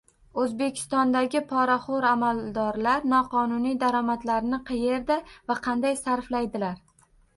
O'zbekistondagi poraxo'r amaldorlar noqonuniy daromadlarini qayerda va qanday sarflaydilar?